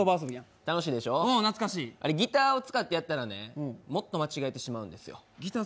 楽しいでしょ、あれギターを使ってやったらねもっと間違ってしまうんですよ。